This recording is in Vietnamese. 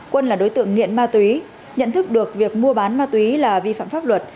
quân là đối tượng nghiện ma túy nhận thức được việc mua bán ma túy là vi phạm pháp luật